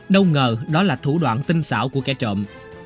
đau ngờ đó là thủ đoạn tinh xảo của kẻ trộm